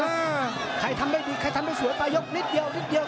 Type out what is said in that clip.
ใครทำได้ดีใครทำได้สวยปลายยกนิดเดียวนิดเดียว